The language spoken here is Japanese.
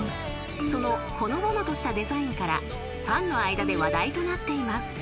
［そのほのぼのとしたデザインからファンの間で話題となっています］